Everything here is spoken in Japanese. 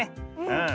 うん！